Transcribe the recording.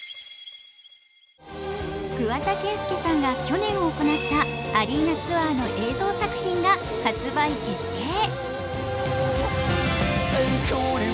桑田佳祐さんが去年行ったアリーナツアーの映像作品が発売決定。